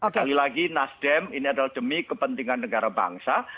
sekali lagi nasdem ini adalah demi kepentingan negara bangsa